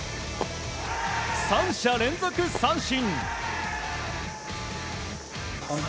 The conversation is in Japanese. ３者連続三振。